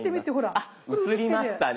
あっ写りましたね。